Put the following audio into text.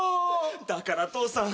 だから父さん。